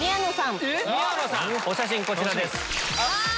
お写真こちらです。